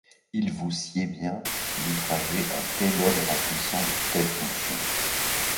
Il vous sied bien d’outrager un tel homme remplissant de telles fonctions.